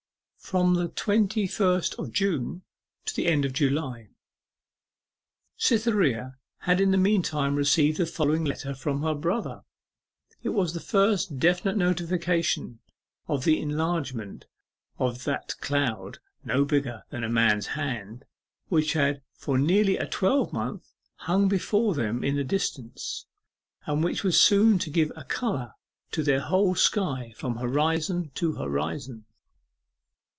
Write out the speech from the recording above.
FROM THE TWENTY FIRST OF JUNE TO THE END OF JULY Cytherea had in the meantime received the following letter from her brother. It was the first definite notification of the enlargement of that cloud no bigger than a man's hand which had for nearly a twelvemonth hung before them in the distance, and which was soon to give a colour to their whole sky from horizon to horizon.